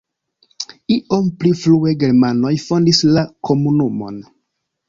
Iom pli frue germanoj fondis la komunumon.